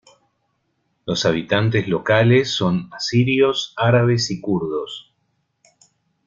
Los habitantes locales son asirios, árabes y kurdos.